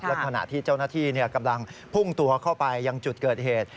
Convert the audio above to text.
และขณะที่เจ้าหน้าที่กำลังพุ่งตัวเข้าไปยังจุดเกิดเหตุ